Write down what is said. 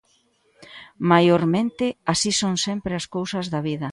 Maiormente, así son sempre as cousas da vida.